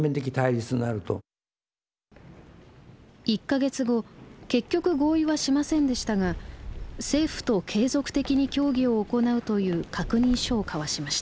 １か月後結局合意はしませんでしたが「政府と継続的に協議を行う」という確認書を交わしました。